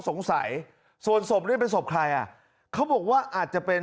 สงสัยส่วนศพนี่เป็นศพใครอ่ะเขาบอกว่าอาจจะเป็น